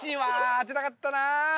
当てたかったな。